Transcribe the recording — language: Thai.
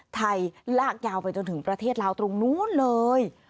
ลากยาวไปจนถึงประเทศลาวตรงนู้นเลย